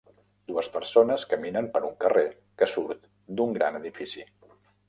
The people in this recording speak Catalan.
Dues persones caminen per un carrer que surt d'un gran edifici.